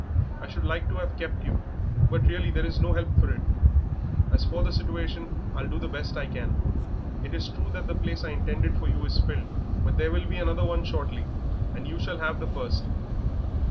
I should like to have kept you, but really there is no help for it. As for the situation, I'll do the best I can. It is true that place I intended for you is filled up, but there will be another shortly, and you shall have the first.